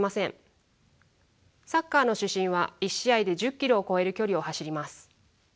サッカーの主審は１試合で１０ｋｍを超える距離を走ります。